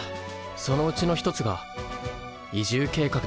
そのうちの一つが移住計画だ。